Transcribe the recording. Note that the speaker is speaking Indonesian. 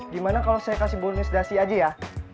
gimana kalau saya kasih bonus dasi aja ya